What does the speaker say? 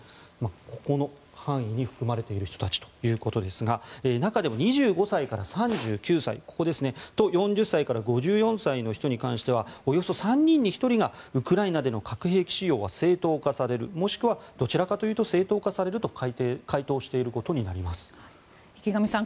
ここの範囲に含まれている人たちということですが中でも２５歳から３９歳と４０歳から５４歳に関してはおよそ３人に１人がウクライナでの核兵器使用は正当化されるもしくはどちらかというと正当化されると池上さん